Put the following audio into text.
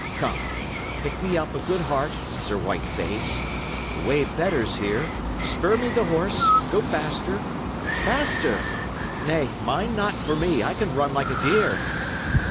Come, pick me up a good heart, Sir White face. The way betters here; spur me the horse. Go faster! faster! Nay, mind not for me; I can run like a deer."